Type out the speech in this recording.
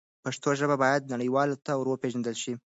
پښتو ژبه باید نړیوالو ته ور وپیژندل سي.